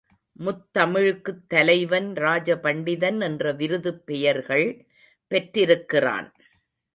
முத்தமிழுக்குத் தலைவன் ராஜ பண்டிதன் என்ற விருதுப் பெயர்கள் பெற்றிருக்கிறான்.